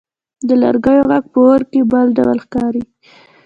د لرګیو ږغ په اور کې بل ډول ښکاري.